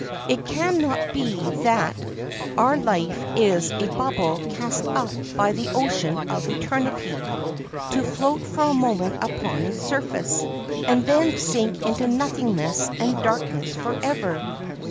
It can not be that our life is a bubble cast up by the ocean of eternity to float for a moment upon its surface, and then sink into nothingness and darkness forever.